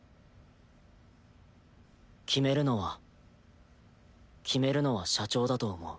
決めるのは決めるのは社長だと思う。